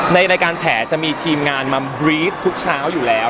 ในรายการแฉจะมีทีมงานมาบรี๊ดทุกเช้าอยู่แล้ว